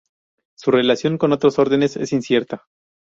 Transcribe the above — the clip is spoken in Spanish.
Su relación con otros órdenes es incierta.